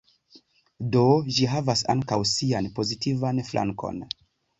Do ĝi havas ankaŭ sian pozitivan flankon.